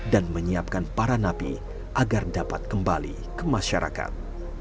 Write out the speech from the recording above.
dan menyiapkan para napi agar dapat kembali ke masyarakat